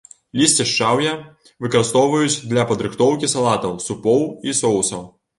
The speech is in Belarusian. Лісце шчаўя выкарыстоўваюць для падрыхтоўкі салатаў, супоў і соусаў.